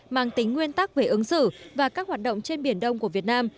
mang tính nguyên tắc về ứng xử và các hoạt động trên biển đông của việt nam